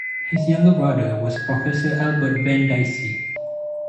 His younger brother was Professor Albert Venn Dicey.